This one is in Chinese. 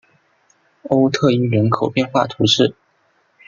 欧特伊人口变化图示